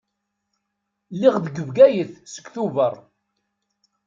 Lliɣ deg Bgayet seg Tubeṛ.